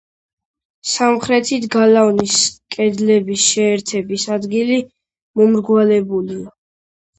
სამხრეთით გალავნის კედლების შეერთების ადგილი მომრგვალებულია.